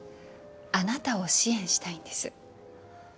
あなたを支援したいんです